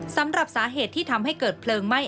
สำหรับสาเหตุที่ทำให้เกิดเพลิงไหม้